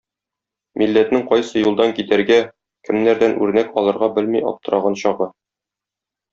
Милләтнең кайсы юлдан китәргә, кемнәрдән үрнәк алырга белми аптыраган чагы.